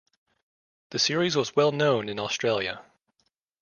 The series was well known in Australia.